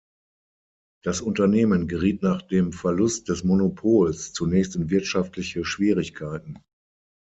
Das Unternehmen geriet nach dem Verlust des Monopols zunächst in wirtschaftliche Schwierigkeiten.